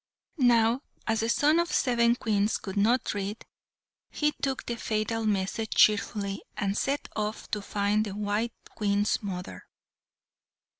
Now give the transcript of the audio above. Now, as the son of seven Queens could not read, he took the fatal message cheerfully, and set off to find the white Queen's mother.